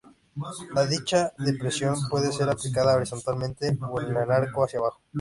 Dicha presión puede ser aplicada horizontalmente o en arco hacia abajo.